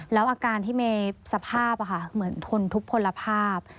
แล้วอาการที่เมย์สภาพเหมือนทนทุกพลภาพ